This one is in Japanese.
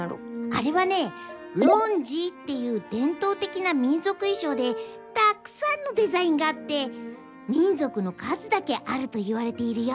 あれはねロンジーっていうでんとうてきなみんぞくいしょうでたっくさんのデザインがあってみんぞくの数だけあるといわれているよ。